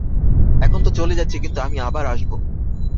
এখন তো চলে যাচ্ছি, কিন্তু আমি আবার আসবো।